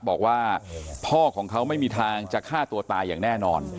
บอกว่าพ่อของเขาไม่มีทางจะฆ่าตัวตายอย่างแน่นอน